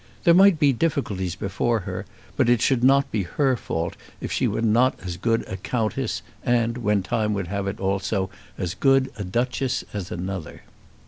There might be difficulties before her, but it should not be her fault if she were not as good a Countess, and, when time would have it so, as good a Duchess as another.